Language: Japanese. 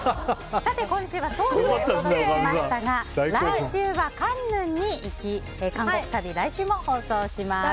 さて今週は、ソウルの旅をお届けしましたが来週はカンヌンに行き、韓国旅来週も放送します。